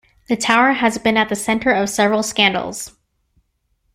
The tower has been at the centre of several scandals.